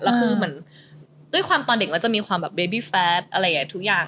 แล้วคือเหมือนด้วยความตอนเด็กเราจะมีความแบบเบบี้แฟสอะไรอย่างนี้ทุกอย่าง